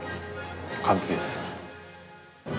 完璧です。